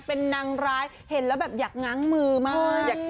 เป็นนางร้ายอยากงั้งมือมาก